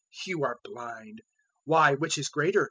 023:019 "You are blind! Why, which is greater?